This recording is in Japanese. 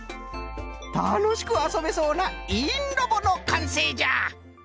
たのしくあそべそうな「いいんロボ」のかんせいじゃ。